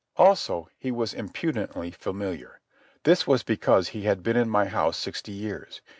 Also, he was impudently familiar. This was because he had been in my house sixty years.